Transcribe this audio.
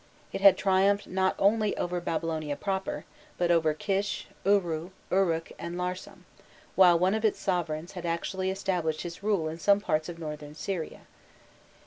It had triumphed not only over Babylonia proper, but over Kish, Uru, Uruk, and Larsam, while one of its sovereigns had actually established his rule in some parts of Northern Syria.